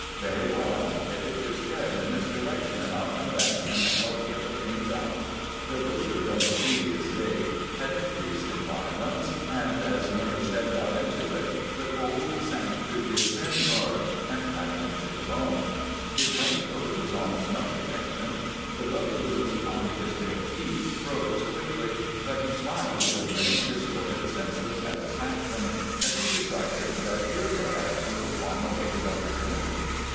"Very well. If it should spread in this direction I'll come back and help get the things out." The blizzard of the previous day had increased in violence, and as Murray stepped out into it the cold sank through his thin garb and cut him to the bone. His rain coat was almost no protection, the rubber boots upon his bare feet froze quickly, but he smiled with a grim, distorted sense of satisfaction as he decided that here perhaps was his long awaited opportunity.